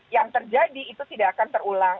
yang terjadi itu tidak akan terulang